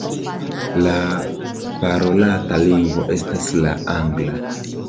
La parolata lingvo estas la angla.